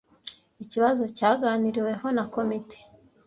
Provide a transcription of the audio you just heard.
Ikibazo cyaganiriweho na komite.